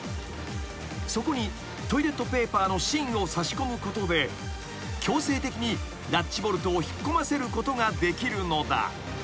［そこにトイレットペーパーの芯を差し込むことで強制的にラッチボルトを引っ込ませることができるのだ］